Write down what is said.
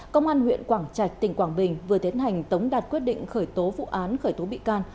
công an huyện quảng trạch tỉnh quảng bình vừa tiến hành tống đạt quyết định khởi tố vụ án khởi tố bị can